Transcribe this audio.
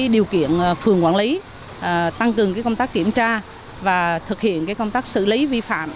điều kiện phường quản lý tăng cường công tác kiểm tra và thực hiện công tác xử lý vi phạm